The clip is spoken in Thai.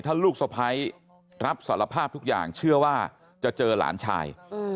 ถ้าลูกสะพ้ายรับสารภาพทุกอย่างเชื่อว่าจะเจอหลานชาย